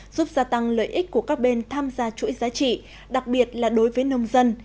giúp gia tăng lợi ích của các bên tham gia chuỗi giá trị đặc biệt là đối với nông dân